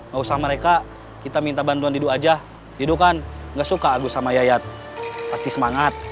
gak usah mereka kita minta bantuan didu aja didu kan enggak suka agus sama yaya pasti semangat